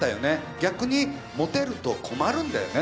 逆にモテると困るんだよね。